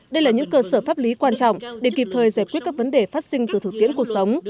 đây là những cơ sở pháp lý quan trọng để kịp thời giải quyết các vấn đề phát sinh từ thực tiễn cuộc sống